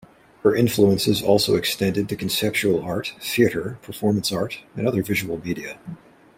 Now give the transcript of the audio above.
Her influences also extended to conceptual art, theatre, performance art and other visual media.